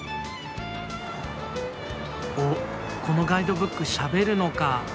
おっこのガイドブックしゃべるのか。